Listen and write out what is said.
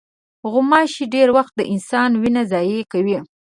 غوماشې ډېری وخت د انسان وینه ضایع کوي.